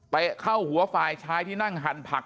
เข้าหัวฝ่ายชายที่นั่งหั่นผัก